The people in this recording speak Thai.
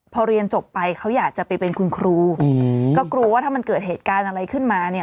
พอเรียนจบไปเขาอยากจะไปเป็นคุณครูก็กลัวว่าถ้ามันเกิดเหตุการณ์อะไรขึ้นมาเนี่ย